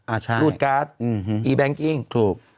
อ่าใช่รูดการ์ดอือฮืออีแบงกิ้งถูก